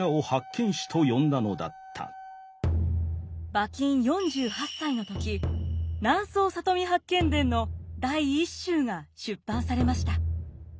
馬琴４８歳の時「南総里見八犬伝」の第１輯が出版されました。